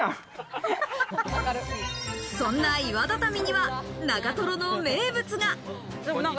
そんな岩畳には長瀞の名物が。